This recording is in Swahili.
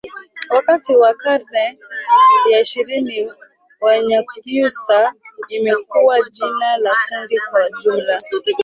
Wakati wa karne ya ishirini Wanyakyusa imekuwa jina la kundi kwa jumla